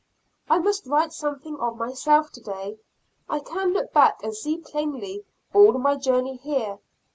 I must write something of myself today. I can look back and see plainly all my journey here.